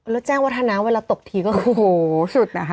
แล้วแจ้งวัฒนาเวลาตกทีก็คือโหสุดนะคะ